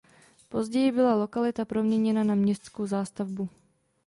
Později byla lokalita proměněna na městskou zástavbu.